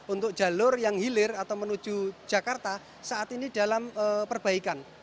untuk jalur yang hilir atau menuju jakarta saat ini dalam perbaikan